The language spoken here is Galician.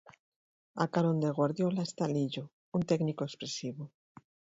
A carón de Guardiola está Lillo, un técnico expresivo.